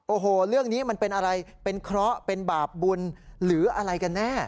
โอ้โหเรื่องนี้มันเป็นอะไรเป็นเคราะห์เป็นบาปบุญหรืออะไรกันแน่